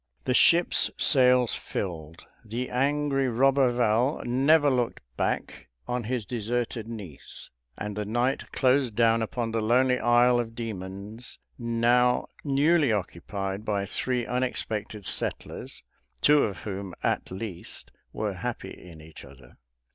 The ship's sails filled, the angry Roberval never looked back on his deserted niece, and the night closed down upon the lonely Isle of Demons, now newly occupied by three unexpected settlers, two of whom at least were happy in each other.